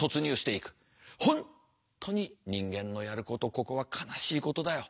本当に人間のやることここは悲しいことだよ。